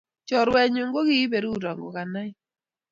Churuenyu kikiberuro kukanain